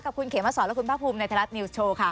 กับคุณเขมสอนและคุณพระภูมิในทะลัดนิวส์โชว์ค่ะ